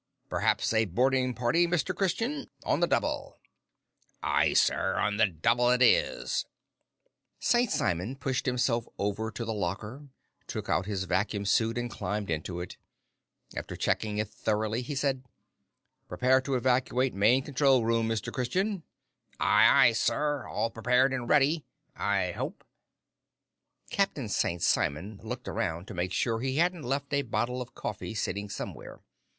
"Perhaps a boarding party, Mr. Christian! On the double!" "Aye, sir! On the double it is, sir!" St. Simon pushed himself over to the locker, took out his vacuum suit, and climbed into it. After checking it thoroughly, he said: "Prepare to evacuate main control room, Mr. Christian!" "Aye, aye, Sir! All prepared and ready. I hope." Captain St. Simon looked around to make sure he hadn't left a bottle of coffee sitting somewhere.